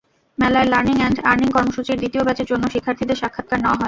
মেলায় learning and earning কর্মসূচির দ্বিতীয় ব্যাচের জন্য শিক্ষার্থীদের সাক্ষাৎকার নেওয়া হয়।